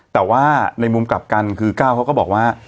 แต่ว่าในมุมกลับกันคือก้าวเขาก็บอกว่า